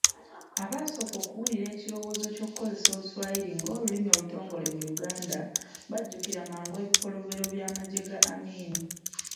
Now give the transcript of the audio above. Abasooka okuwulira ekirowoozo eky'okukozesa oluswayiri ng'olulimi olutongole mu Uganda bajjukira mangu ebikolobero by'amagye ga Amin.